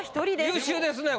優秀ですねこれ。